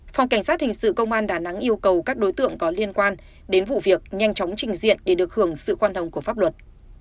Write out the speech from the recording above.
phòng cảnh sát hình sự công an đà nẵng yêu cầu các đối tượng có liên quan đến vụ việc nhanh chóng trình diện để được hưởng sự khoan hồng của pháp luật